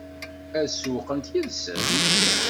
Ad sewweqent yid-sent?